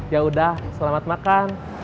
yaudah selamat makan